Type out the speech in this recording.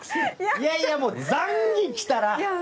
いやいやもうザンギきたら！